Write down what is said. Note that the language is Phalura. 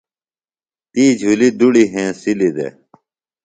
تی جُھلیۡ دُڑی ہنسِلیۡ دےۡ۔